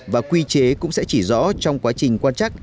và quy chế cũng sẽ chỉ rõ trong quá trình quan chắc